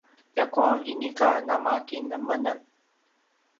ljakua inika namakinemenem